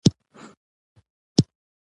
اکا کډه بار کړه او کلي ته روان سو.